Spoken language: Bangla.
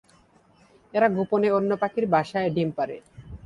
এরা গোপনে অন্য পাখির বাসায় ডিম পাড়ে।